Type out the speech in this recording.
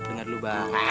dengar dulu bang